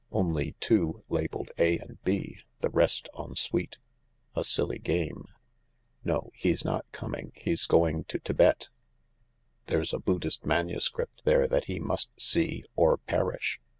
Only two labelled A and B — the rest en suite. A silly game. No — he's not coming. He's gone to Thibet. There's a Buddhist manuscript there that he must see, or perish.